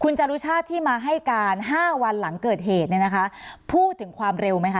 จรุชาติที่มาให้การ๕วันหลังเกิดเหตุเนี่ยนะคะพูดถึงความเร็วไหมคะ